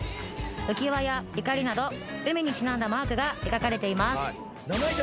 浮き輪やいかりなど海にちなんだマークが描かれています